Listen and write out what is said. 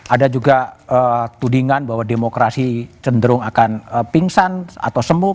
ada juga tudingan bahwa demokrasi cenderung akan pingsan atau semut